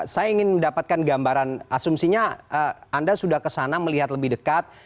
saya ingin mendapatkan gambaran asumsinya anda sudah kesana melihat lebih dekat